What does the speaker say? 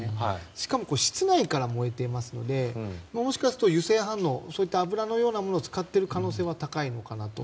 しかも室内から燃えていますのでもしかすると油性反応油のようなものを可能性は高いのかなと。